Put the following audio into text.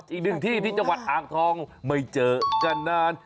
อีกหนึ่งที่ที่จังหวัดอ่างทองไม่เจอกันนาน